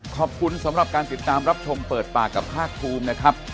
ขอบคุณสำหรับการติดตามรับชมเปิดปากกับภาคภูมินะครับ